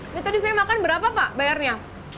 ini tuh disini makan berapa pak bayarnya